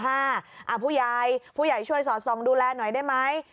ผู้ใหญ่ผู้ใหญ่ช่วยสอดส่องดูแลหน่อยได้ไหม